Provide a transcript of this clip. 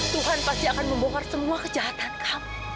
tuhan pasti akan membongkar semua kejahatan kamu